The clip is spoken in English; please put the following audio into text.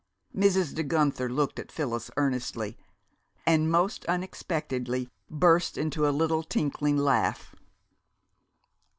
Mrs. De Guenther looked at Phyllis earnestly and, most unexpectedly, burst into a little tinkling laugh.